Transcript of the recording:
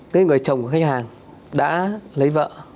cái người chồng của khách hàng đã lấy vợ